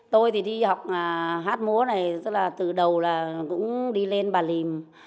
tôi thì đi học hát múa này tức là từ đầu là cũng đi lên bà lìm